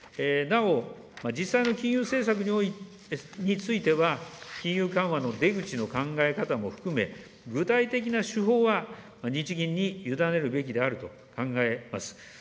なお、実際の金融政策については、金融緩和の出口の考え方も含め、具体的な手法は日銀に委ねるべきであると考えます。